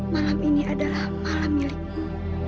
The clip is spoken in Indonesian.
malam ini adalah malam milikku